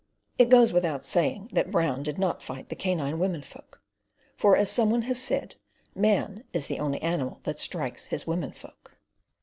It goes without saying that Brown did not fight the canine women folk; for, as some one has said, man is the only animal that strikes his women folk.